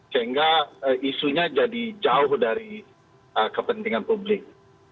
sehingga isunya jadi jauh dari kepentingan publik